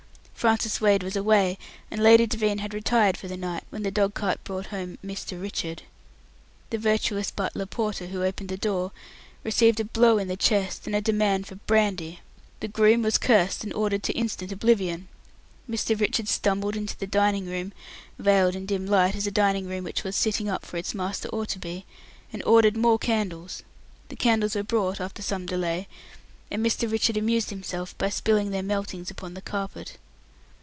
Francis Wade was away, and Lady Devine had retired for the night, when the dog cart brought home "Mr. Richard". The virtuous butler porter, who opened the door, received a blow in the chest and a demand for "Brandy!" The groom was cursed, and ordered to instant oblivion. Mr. Richard stumbled into the dining room veiled in dim light as a dining room which was "sitting up" for its master ought to be and ordered "more candles!" The candles were brought, after some delay, and Mr. Richard amused himself by spilling their meltings upon the carpet.